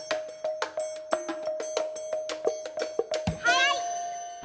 はい！